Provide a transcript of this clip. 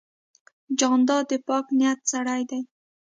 جانداد د پاک نیت سړی دی.